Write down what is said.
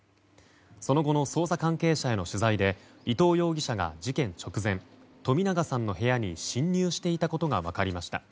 その後の捜査関係者への取材で伊藤容疑者が事件直前冨永さんの部屋に侵入していたことが分かりました。